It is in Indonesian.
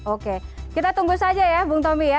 oke kita tunggu saja ya bung tommy ya